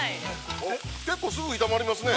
◆結構、すぐ炒まりますね。